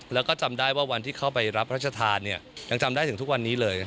เราก็จำได้ว่าวันที่เข้าไปรับพระชาธารถึงทุกวันนี้เลย